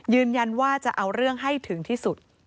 ยืนยันว่าจะเอาเรื่องให้ถึงที่สุด